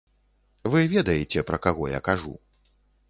Вы ведаеце, пра каго я кажу.